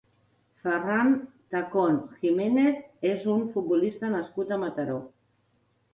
Ferrán Tacón Jiménez és un futbolista nascut a Mataró.